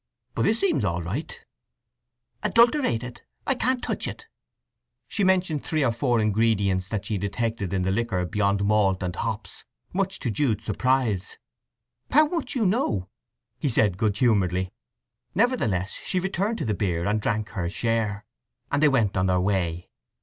But this seems all right." "Adulterated—I can't touch it!" She mentioned three or four ingredients that she detected in the liquor beyond malt and hops, much to Jude's surprise. "How much you know!" he said good humouredly. Nevertheless she returned to the beer and drank her share, and they went on their way.